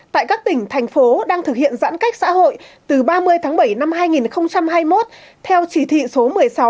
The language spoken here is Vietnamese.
tại các tỉnh thành phố đang thực hiện giãn cách xã hội từ ba mươi tháng bảy năm hai nghìn hai mươi một theo chỉ thị số một mươi sáu